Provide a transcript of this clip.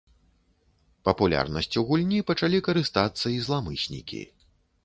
Папулярнасцю гульні пачалі карыстацца і зламыснікі.